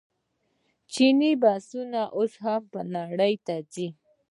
چیني بسونه اوس نړۍ ته ځي.